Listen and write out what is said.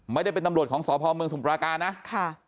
ไม่ได้เป็นตำรวจของสพเมืองสมปราการนะค่ะ